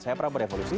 saya prabowo revolusi